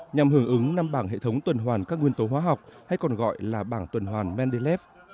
nhằm hưởng ứng năm bảng hệ thống tuần hoàn các nguyên tố hóa học hay còn gọi là bảng tuần hoàn mendev